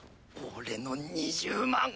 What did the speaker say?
俺の２０万。